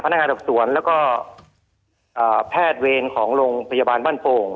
นักงานดับสวนแล้วก็แพทย์เวรของโรงพยาบาลบ้านโป่ง